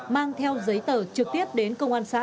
mang theo giấy tờ trực tiếp đến công an xã